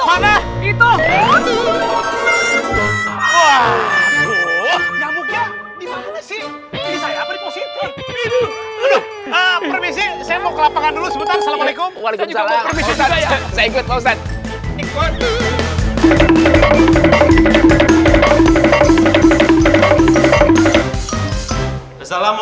assalamualaikum warahmatullahi wabarakatuh